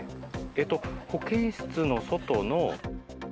えっと保健室の外の。